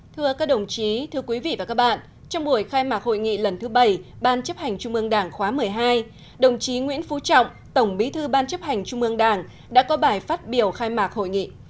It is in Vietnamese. thưa các đồng chí thưa quý vị và các bạn trong buổi khai mạc hội nghị lần thứ bảy ban chấp hành trung ương đảng khóa một mươi hai đồng chí nguyễn phú trọng tổng bí thư ban chấp hành trung ương đảng đã có bài phát biểu khai mạc hội nghị